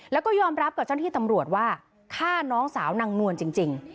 แล้วก็ยอมรับกับเจ้าหน้าที่ตำรวจว่าฆ่าน้องสาวนางนวลจริง